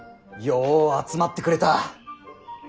よう集まってくれた。